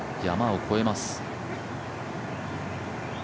山を越えます。